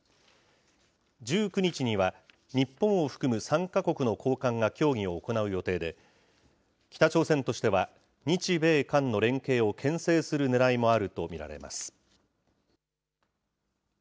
１９日には、日本を含む３か国の高官が協議を行う予定で、北朝鮮としては日米韓の連携をけん制するねらいもあると見られます。